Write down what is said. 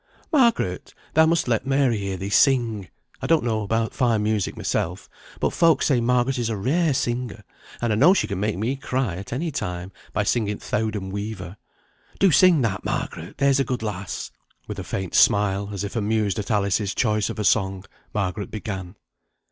"Margaret, thou must let Mary hear thee sing. I don't know about fine music myself, but folks say Margaret is a rare singer, and I know she can make me cry at any time by singing 'Th' Owdham Weaver.' Do sing that, Margaret, there's a good lass." With a faint smile, as if amused at Alice's choice of a song, Margaret began.